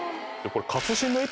これ。